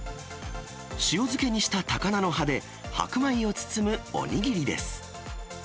塩漬けにした高菜の葉で白米を包むお握りです。